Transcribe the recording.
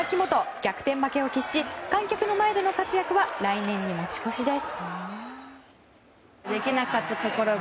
逆転負けを喫し観客の前での活躍は来年に持ち越しです。